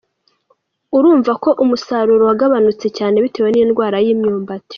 Urumva ko umusaruro wagabanutse cyane bitewe n’indwara y’imyumbati.